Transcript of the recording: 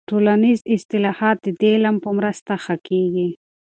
ټولنیز اصلاحات د دې علم په مرسته ښه کیږي.